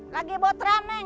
neng kak dian neng